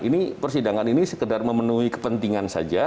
ini persidangan ini sekedar memenuhi kepentingan saja